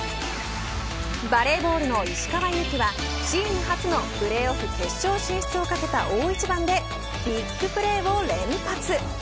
バレーボールの石川祐希はチーム初のプレーオフ決勝進出をかけた大一番でビッグプレーを連発。